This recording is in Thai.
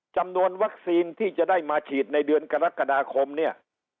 จำนวนวัคซีนที่จะได้มาฉีดในเดือนกรกฎาคมเนี่ย